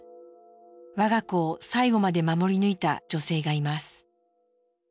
我が子を最後まで守り抜いた女性がいます。